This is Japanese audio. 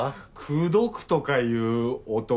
「口説く」とか言う男